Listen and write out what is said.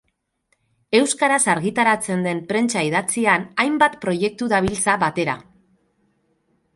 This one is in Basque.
Euskaraz argitaratzen den prentsa idatzian hainbat proiektu dabiltza batera.